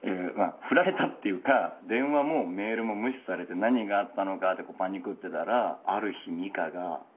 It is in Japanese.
振られたっていうか電話もメールも無視されて何があったのかってパニクってたらある日実花が。